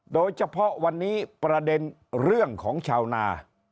โดยเฉพาะวันนี้ประเด็นเรื่องของชาวนา